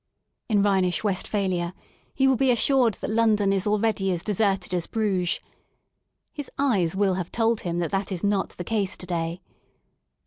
In ^5 THE SOUL OF LONDON Rhenish Westphalia he will be assured that London is already as deserted as Bruges. His eyes will have told him that that is not the case to day.